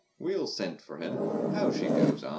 We will send for him! How she goes on!